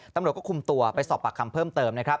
ตำรวจก็คุมตัวไปสอบปากคำเพิ่มเติมนะครับ